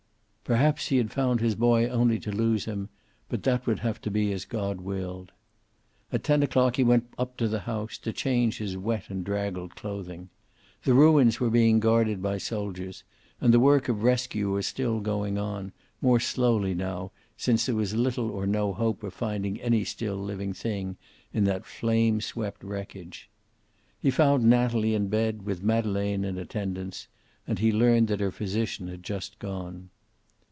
Perhaps he had found his boy only to lose him, but that would have to be as God willed. At ten o'clock he went up to the house, to change his wet and draggled clothing. The ruins were being guarded by soldiers, and the work of rescue was still going on, more slowly now, since there was little or no hope of finding any still living thing in that flame swept wreckage. He found Natalie in bed, with Madeleine in attendance, and he learned that her physician had just gone.